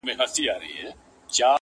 کهيېتخمونهدګناهدلتهکرليبيانو,